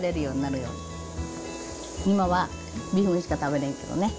今は微粉しか食べれんけどね。